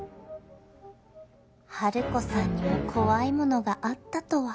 ハルコさんにも怖いものがあったとは